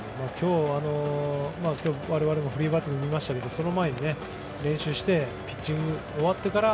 今日、我々もフリーバッティングを見ましたけどその前に練習してピッチングが終わってから